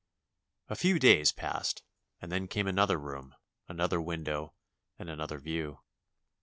A few days passed and then came another room, another window, and another view.